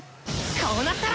こうなったら！